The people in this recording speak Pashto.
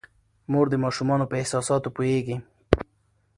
مور د ماشومانو په احساساتو پوهیږي.